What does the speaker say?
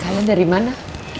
kalian dari mana